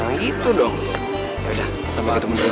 nah gitu dong yaudah sampai ketemu di lapangan ya